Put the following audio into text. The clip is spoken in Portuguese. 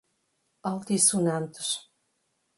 altissonantes